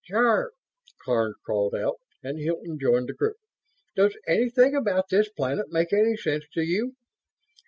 "Jarve!" Karns called out, and Hilton joined the group. "Does anything about this planet make any sense to you?"